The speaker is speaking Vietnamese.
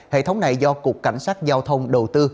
hệ thống này do cục cảnh sát giao thông đầu tư